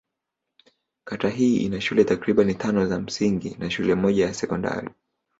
Kata hii ina shule takriban tano za msingi na shule moja ya sekondari.